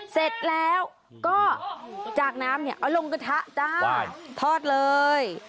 เสร็จแล้วก็จากน้ำเนี่ยเอาลงกระทะจ้าทอดเลย